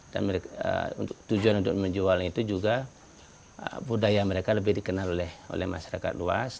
dan tujuan untuk menjualnya itu juga budaya mereka lebih dikenal oleh masyarakat luas